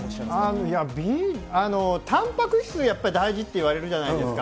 美、たんぱく質はやっぱり大事って言われるじゃないですか。